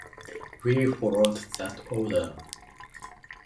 We followed that order.